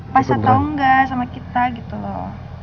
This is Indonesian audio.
pasti tau gak sama kita gitu loh